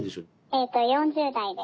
えと４０代です。